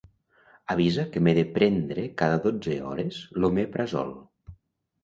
Avisa que m'he de prendre cada dotze hores l'omeprazole.